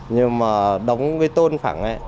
nhưng mà đóng cái tôn phẳng ấy